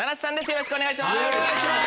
よろしくお願いします。